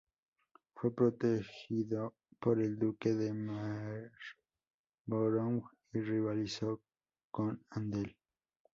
Fue protegido por el duque de Marlborough y rivalizó con Händel.